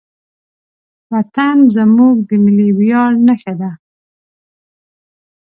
وطن زموږ د ملي ویاړ نښه ده.